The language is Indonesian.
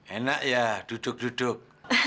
enak ya duduk duduk